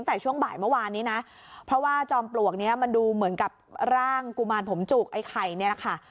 แต่ช่วงบ่ายเมื่อวานนี้นะเพราะว่าจอมปลวกนี้มันดูเหมือนกับร่างกุมารผมจุกไอ้ไข่เนี่ยแหละค่ะ